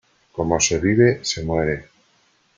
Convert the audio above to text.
Como se vive, se muere.